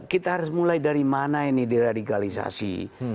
kita harus mulai dari mana ini diradikalisasi